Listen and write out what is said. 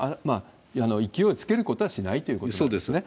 勢いつけることはしないっていうことですね。